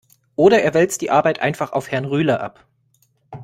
Oder er wälzt die Arbeit einfach auf Herrn Rühle ab.